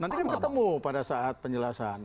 nanti kan ketemu pada saat penjelasan